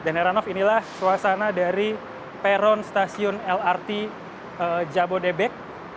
nah ranoff inilah suasana dari peron stasiun lrt jabodebek